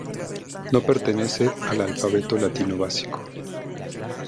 No pertenece al alfabeto latino básico.